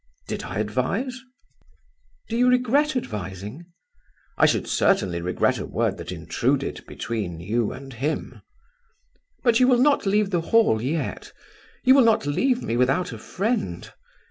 "Did I advise?" "Do you regret advising?" "I should certainly regret a word that intruded between you and him." "But you will not leave the Hall yet? You will not leave me without a friend?